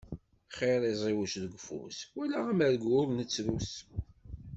Xir iẓiwec deg ufus, wala amergu ur nettrus.